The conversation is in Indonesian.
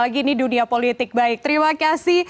gimana prasetya waktu yang terjadi